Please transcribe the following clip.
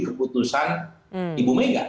keputusan ibu mega